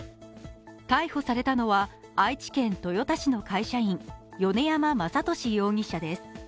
逮捕されたのは愛知県豊田市の会社員、米山正敏容疑者です。